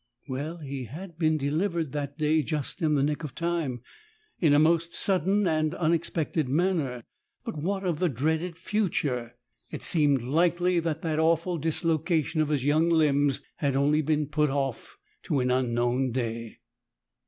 Well, he had been delivered that day just in the nick of time, in a most sudden and unexpected manner. But what of the dreaded future ? It seemed likely 165 that that awful dislocation of his young limbs had only been put off to an unknown day.